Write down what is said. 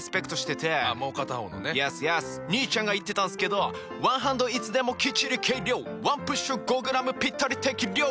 兄ちゃんが言ってたんすけど「ワンハンドいつでもきっちり計量」「ワンプッシュ５ｇぴったり適量！」